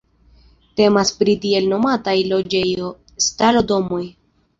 Temas pri tiel nomataj loĝejo-stalo-domoj.